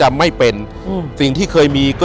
อยู่ที่แม่ศรีวิรัยิลครับ